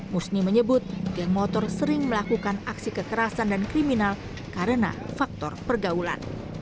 musni menyebut geng motor sering melakukan aksi kekerasan dan kriminal karena faktor pergaulan